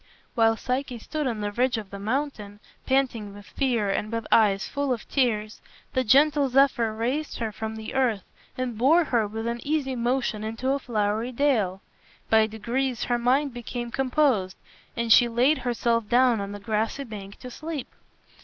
While Psyche stood on the ridge of the mountain, panting with fear and with eyes full of tears, the gentle Zephyr raised her from the earth and bore her with an easy motion into a flowery dale. By degrees her mind became composed, and she laid herself down on the grassy bank to sleep.